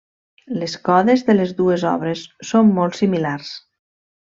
Les codes de les dues obres són molt similars.